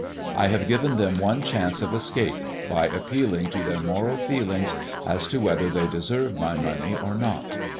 I have given them one chance of escape :— by appealing to their moral feelings as to whether they deserve my money or not.